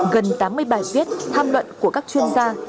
gần tám mươi bài viết tham luận của các chuyên gia